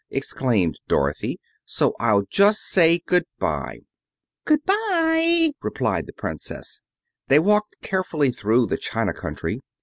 exclaimed Dorothy. "So I'll just say good bye." "Good bye," replied the Princess. They walked carefully through the china country.